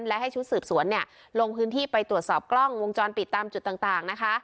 และให้ชุดสืบสวนลงพื้นที่ไปตรวจสอบกล้องวงจรปิดตามจุดต่างนะคะ